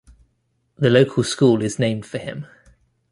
The local school is named for him.